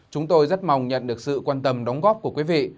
chúng tôi rất mong nhận được sự quan tâm đóng góp của quý vị